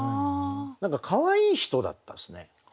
何かかわいい人だったですね。